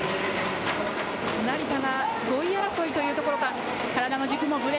成田が５位争いというところか。